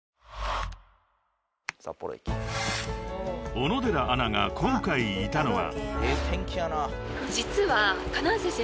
［小野寺アナが今回いたのは］